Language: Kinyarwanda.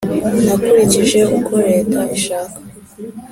Nakurikije uko Leta ishaka.